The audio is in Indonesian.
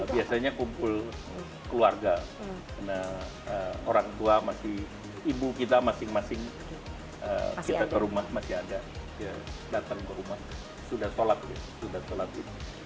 biasanya kumpul keluarga orang tua masih ibu kita masing masing kita ke rumah masih ada datang ke rumah sudah sholat ya sudah sholat itu